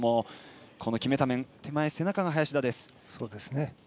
この決めた面、手前背中が林田。